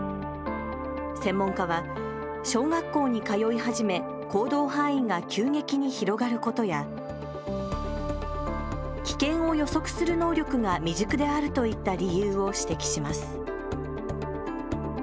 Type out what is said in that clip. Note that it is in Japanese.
専門家は小学校に通い始め行動範囲が急激に広がることや危険を予測する能力が未熟であるといった理由を指摘します。